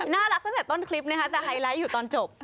ตั้งแต่ต้นคลิปนะคะจะไฮไลท์อยู่ตอนจบ